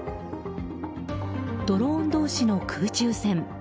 ドローン同士の空中戦。